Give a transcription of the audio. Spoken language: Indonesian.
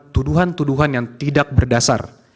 tuduhan tuduhan yang tidak berdasar